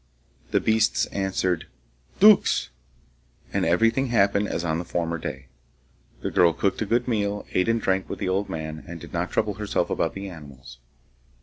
The beasts answered, 'Duks,' and everything happened as on the former day. The girl cooked a good meal, ate and drank with the old man, and did not trouble herself about the animals.